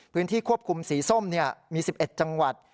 พื้นที่ควบคุมสีส้มมี๑๑จังหวัด